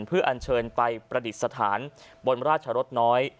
เพื่ออัญเชิญไปประดิษฐานบนราชรสน้อย